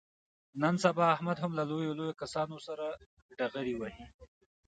نن سبا احمد هم له لویو لویو کسانو سره ډغرې وهي.